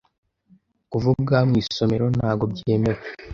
Kuvuga mu isomero ntabwo byemewe.